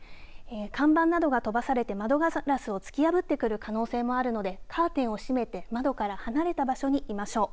看板などが飛ばされて窓ガラスを突き破ってくる可能性もあるのでカーテンを閉めて窓から離れた場所にいましょう。